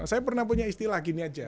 saya pernah punya istilah gini aja